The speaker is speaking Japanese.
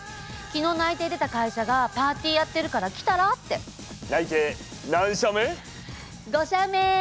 昨日内定出た会社が「パーティーやってるから来たら」って。内定何社目？